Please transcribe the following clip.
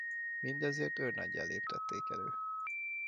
Mindezért őrnaggyá léptették elő.